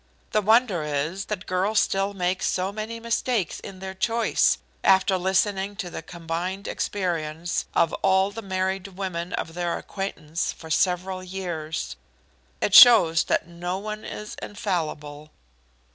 The wonder is that girls still make so many mistakes in their choice, after listening to the combined experience of all the married women of their acquaintance for several years. It shows that no one is infallible."